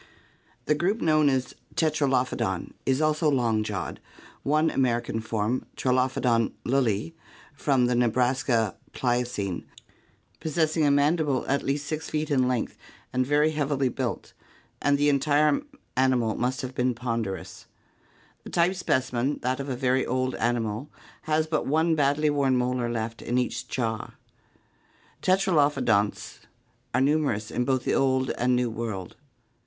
The group known as Tetrahphodon is also long jawed, one Amer ican form, Tetralophodon lidli (Fig. 203), from the Nebraska Plio cene, possessing a mandible at least 6 feet in length and very heavily built, and the entire animal must have been ponderous. The type specimen, that of a very old animal, has but one badly worn molar left in each jaw. Tetralophodonts are numerous in both the Old and New World.